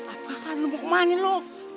apakan lu mau kemanin lu